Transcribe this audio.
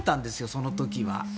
その時は。